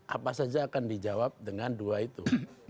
apa saja akan dijawab dengan dua itu